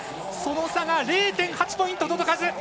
その差が０．８ポイント届かず！